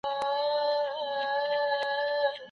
خواران او غریبان باید هېر نه کړو.